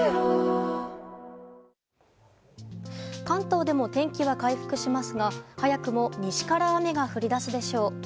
関東でも天気は回復しますが早くも西から雨が降り出すでしょう。